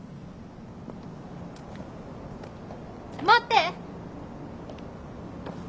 待って！